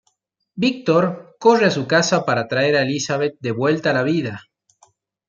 Víctor corre a su casa para traer a Elizabeth de vuelta a la vida.